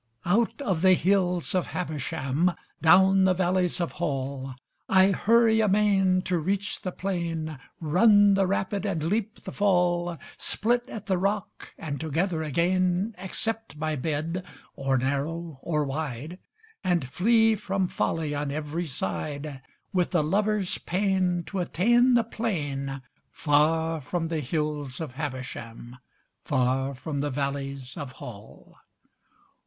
Out of the hills of Habersham, Down the valleys of Hall, I hurry amain to reach the plain, Run the rapid and leap the fall, Split at the rock and together again, Accept my bed, or narrow or wide, And flee from folly on every side With a lover's pain to attain the plain Far from the hills of Habersham, Far from the valleys of Hall.